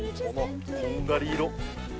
こんがり色。